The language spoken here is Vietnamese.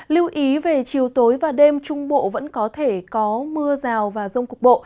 lưu ý về chiều tối và đêm trung bộ vẫn có thể có mưa rào và rông cục bộ